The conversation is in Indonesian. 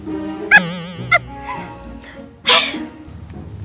nyamperin gigi ya mas